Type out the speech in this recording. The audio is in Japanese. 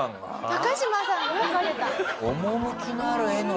高島さんが書かれた。